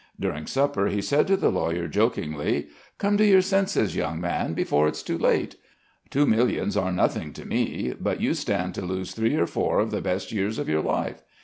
During supper he said to the lawyer jokingly: "Come to your senses, young man, before it's too late. Two millions are nothing to me, but you stand to lose three or four of the best years of your life.